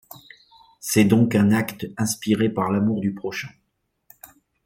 C'est donc un acte inspiré par l'amour du prochain.